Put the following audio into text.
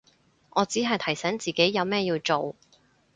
我只係提醒自己有乜要做